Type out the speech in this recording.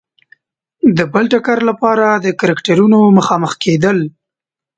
د بل ټکر لپاره د کرکټرونو مخامخ کېدل.